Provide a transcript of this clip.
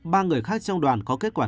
ba người khác trong đoàn có kết quả